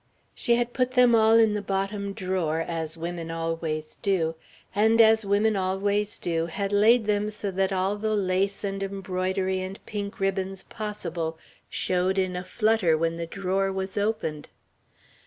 She had put them all in the bottom drawer, as women always do; and, as women always do, had laid them so that all the lace and embroidery and pink ribbons possible showed in a flutter when the drawer was opened.